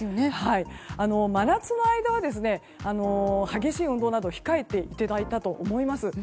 真夏の間は、激しい運動などを控えていただいてたと思います。